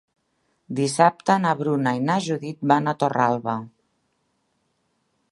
Dissabte na Bruna i na Judit van a Torralba.